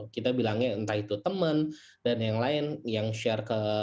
kita bilangnya entah itu teman dan yang lain yang share ke